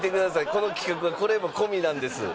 この企画はこれも込みなんです